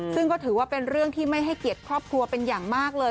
ซึ่งก็ถือว่าเป็นเรื่องที่ไม่ให้เกียรติครอบครัวเป็นอย่างมากเลย